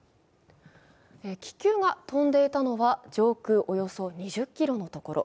気球が飛んでいたのは上空およそ２０ｋｍのところ。